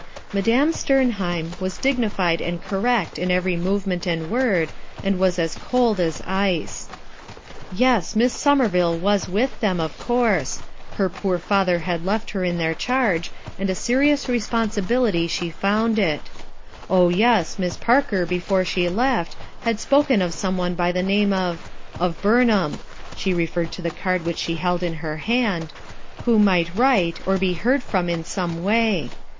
Madame Sternheim was digniBed and correct m every movement and word, and was as cold as ice. Yes, Miss Somerville was with them, of course* Her poor father had left her in their charge, and a serious responsibility she found it* Oh, yes, Miss Parker, before she left, had spoken of some one by the name of — of Burnham — she referred to the card which she held in her THEY HATED MYSTERY 265 hand who might write, or be Ward from in some way.